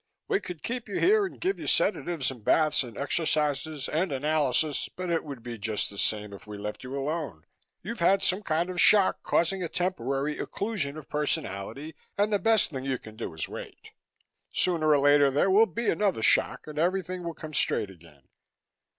We could keep you here and give you sedatives and baths and exercises and analysis, but it would be just the same if we left you alone. You've had some kind of shock causing a temporary occlusion of personality, and the best thing you can do is wait. Sooner or later there will be another shock and everything will come straight again.